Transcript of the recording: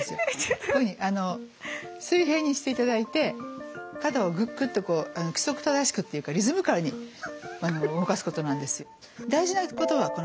こういうふうに水平にしていただいて肩を「ぐっぐっ」とこう規則正しくっていうかリズミカルに動かすことなんですよ。